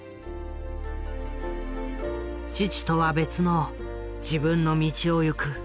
「父とは別の自分の道を行く」。